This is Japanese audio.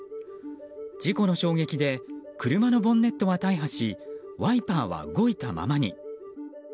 事故の衝撃で車のボンネットは大破しワイパーは動いたままに。